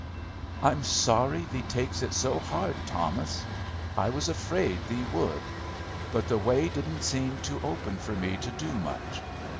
"I'm sorry thee takes it so hard, Thomas. I was afraid thee would. But the way didn't seem to open for me to do much.